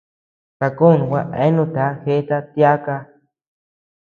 Takó gua eanuta jeʼeta tiaka.